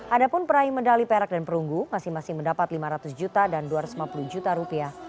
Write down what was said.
ada pun peraih medali perak dan perunggu masing masing mendapat lima ratus juta dan dua ratus lima puluh juta rupiah